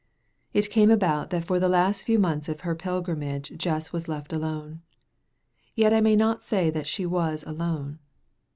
So it came about that for the last few months of her pilgrimage Jess was left alone. Yet I may not say that she was alone.